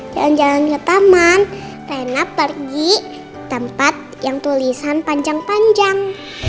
jalan jalan ke taman karena pergi tempat yang tulisan panjang panjang